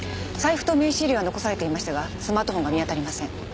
財布と名刺入れは残されていましたがスマートフォンが見当たりません。